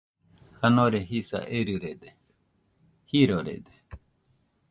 Janore jisa erɨrede, jirorede